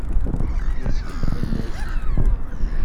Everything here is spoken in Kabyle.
Waqil skaddben-ak-d.